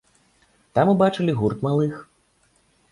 Там убачылі гурт малых.